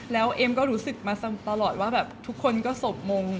แล้วเอ็มก็รู้สึกมาตลอดว่าแบบทุกคนก็สวบมง